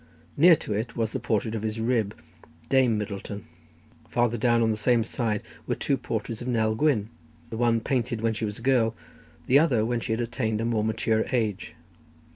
Near to it was the portrait of his rib, Dame Middleton. Farther down on the same side were two portraits of Nell Gwynn; the one painted when she was a girl, the other when she had attained a more mature age.